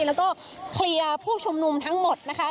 แล้วก็เคลียร์ผู้ชุมนุมทั้งหมดนะคะ